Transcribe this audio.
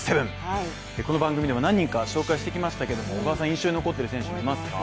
この番組でも何人か紹介してきましたけれども小川さん、印象に残ってる選手、いますか？